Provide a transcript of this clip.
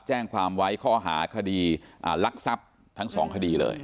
แจ้งความไว้ข้อหาคดีลักทรัพย์ทั้งสองคดีเลย